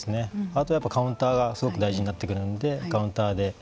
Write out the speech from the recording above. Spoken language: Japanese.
あとカウンターがすごく大事になってくるのでカウンターで。